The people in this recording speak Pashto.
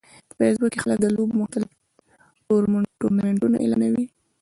په فېسبوک کې خلک د لوبو مختلف ټورنمنټونه اعلانوي